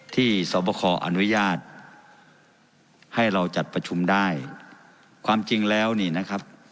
สวบครอนุญาตให้เราจัดประชุมได้ความจริงแล้วนี่นะครับ